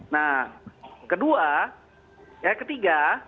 nah kedua ya ketiga